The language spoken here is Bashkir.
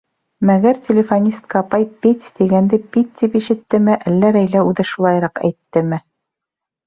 Мәгәр телефонистка апай «петь» тигәнде «пить» тип ишеттеме, әллә Рәйлә үҙе шулайыраҡ әйттеме: